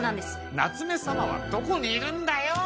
夏目様はどこにいるんだよ。